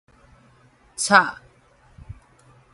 插